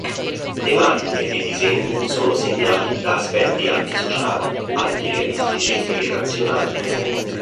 Tematiche e disegni sono segnati da aspetti antisociali, anti-realistici e irrazionali.